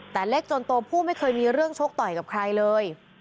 แต่เล็กจนโตผู้ไม่เคยมีเรื่องชกต่อยกับใครเลย